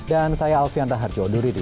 dan saya alfian raharjo duridi